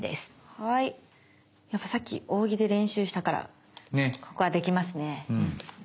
はいやっぱさっき扇で練習したからここはできますね。